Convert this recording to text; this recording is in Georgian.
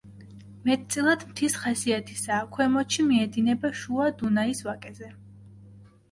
მეტწილად მთის ხასიათისაა, ქვემოთში მიედინება შუა დუნაის ვაკეზე.